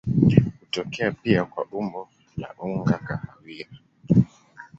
Hutokea pia kwa umbo la unga kahawia.